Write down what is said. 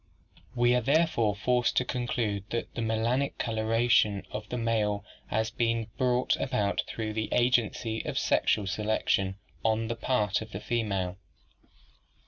"'We are therefore forced to conclude that the melanic coloration of the male has not been brought about through the agency of sexual selec tion on the part of the female.